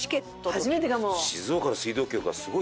初めてかも。